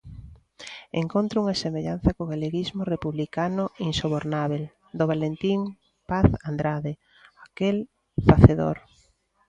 Encontro unha semellanza co galeguismo republicano insubornábel do Valentín Paz Andrade, aquel facedor.